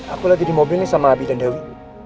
aku lagi di mobil nih sama abi dan dewi